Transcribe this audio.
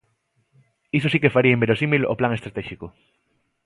Iso si que faría inverosímil o plan estratéxico.